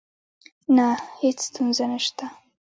نه، هیڅ ستونزه نشته